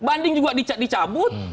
ini banding juga dicabut